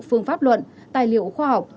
phương pháp luận tài liệu khoa học